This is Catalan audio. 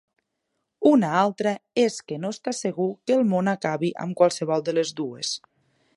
Una altra és que no està segur que el món acabi amb qualsevol de les dues.